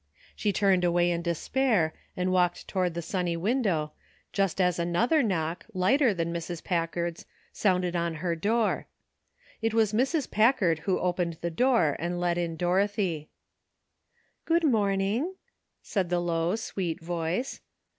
She turned away in despair and walked toward the sunny window just as another knock, lighter than Mrs. Packard's, sounded on her door. It was Mrs. Packard who opened the door and let in Dorothy. *' Good morning," said the low sweet voice.